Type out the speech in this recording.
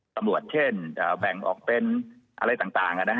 ตำรวจเช่นแบ่งออกเป็นอะไรต่าง